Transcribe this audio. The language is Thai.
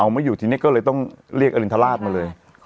เอาไม่อยู่ทีนี้ก็เลยต้องเรียกอรินทราชมาเลย